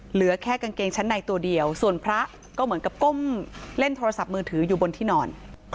เหลือแค่กางเกงชั้นในตัวเดียวส่วนพระก็เหมือนกับก้มเล่นโทรศัพท์มือถืออยู่บนที่นอน